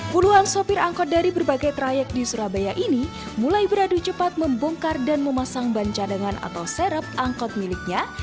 puluhan sopir angkot dari berbagai trayek di surabaya ini mulai beradu cepat membongkar dan memasang ban cadangan atau serep angkot miliknya